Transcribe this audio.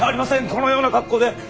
このような格好で。